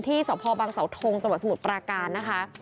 สพบังเสาทงจังหวัดสมุทรปราการนะคะ